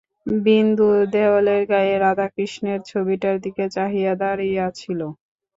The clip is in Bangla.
বিন্দু দেওয়ালের গাঁয়ে রাধাকৃষ্ণের ছবিটার দিকে চাহিয়া দাড়াইয়া ছিল।